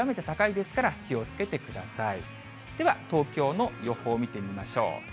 では東京の予報、見てみましょう。